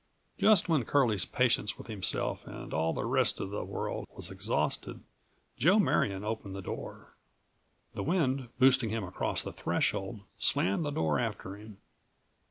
Just when Curlie's patience with himself and all the rest of the world was exhausted, Joe Marion opened the door. The wind, boosting him across the threshold, slammed the door after him.